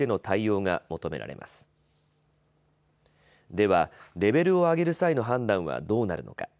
では、レベルを上げる際の判断はどうなるのか。